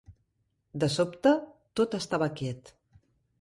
De sobte, tot estava quiet.